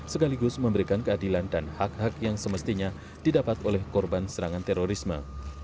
sekaligus memberikan keadilan dan hak hak yang semestinya didapat oleh korban serangan terorisme